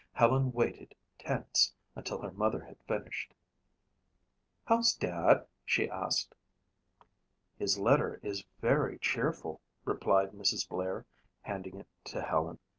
Helen waited, tense, until her mother had finished. "How's Dad?" she asked. "His letter is very cheerful," replied Mrs. Blair, handing it to Helen.